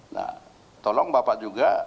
nah tolong bapak juga